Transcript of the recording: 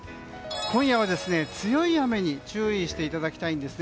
今夜は強い雨に注意していただきたいです。